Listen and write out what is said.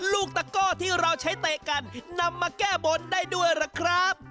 ลูกตะก้อที่เราใช้เตะกันนำมาแก้บนได้ด้วยล่ะครับ